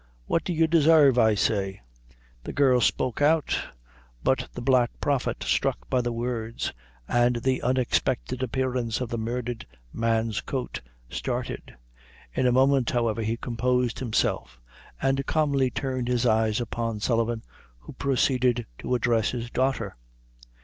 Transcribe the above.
What do you desarve, I say?" The girl spoke not, but the black prophet, struck by the words and the unexpected appearance of the murdered man's coat, started; in a moment, however, he composed himself, and calmly turned his eyes upon Sullivan, who proceeded to address his daughter.